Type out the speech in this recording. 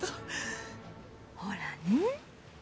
ほらね。